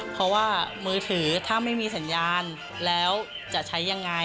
เพราะว่ามือถือถ้าไม่มีสัญญาณแล้วจะใช้ยังไง